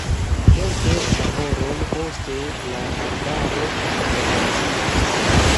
Kelke da horoj poste la arbaro maldensiĝis.